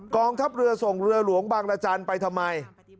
กองทัพเรือส่งเรือหลวงบางรจันทร์ไปทำไม